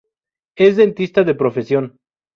Es dentista de profesión.